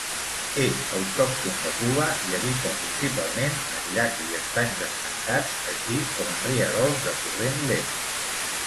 És autòcton de Cuba i habita principalment en llacs i estanys estancats, així com en rierols de corrent lent.